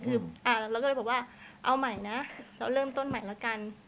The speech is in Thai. คือเราก็เลยบอกว่าเอาใหม่นะเราเริ่มต้นใหม่แล้วกัน